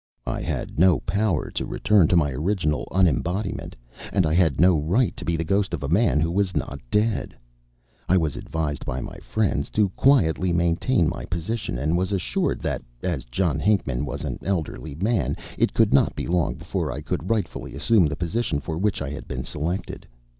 I had no power to return to my original unembodiment, and I had no right to be the ghost of a man who was not dead. I was advised by my friends to quietly maintain my position, and was assured that, as John Hinckman was an elderly man, it could not be long before I could rightfully assume the position for which I had been selected.